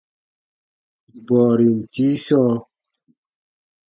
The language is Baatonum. Bɔɔrin tii sɔɔ.